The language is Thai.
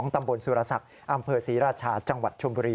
ตำบลสุรศักดิ์อำเภอศรีราชาจังหวัดชมบุรี